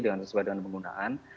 dengan sesuai dengan penggunaan